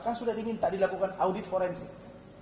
kan sudah diminta dilakukan audit forensik